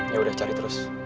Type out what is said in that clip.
yaudah cari terus